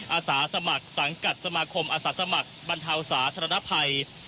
อาสาสมัครสังกัดสมาคมอาสาสมัครบรรเทาสาธารณภัย